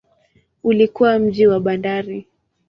Ulikuwa mji wa bandari.